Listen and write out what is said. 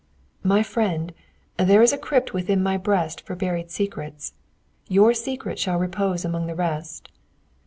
"My friend, there is a crypt within my breast for buried secrets. Your secret shall repose among the rest."